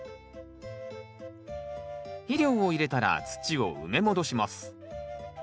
肥料を入れたら土を埋め戻します。